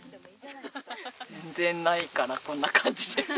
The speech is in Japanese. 全然ないからこんな感じです。